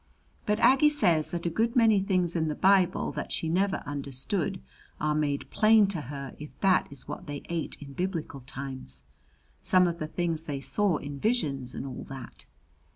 But Aggie says that a good many things in the Bible that she never understood are made plain to her if that is what they ate in Biblical times some of the things they saw in visions, and all that.